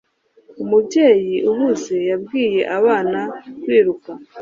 Umubyeyi uhuze yabwiye abana kwiruka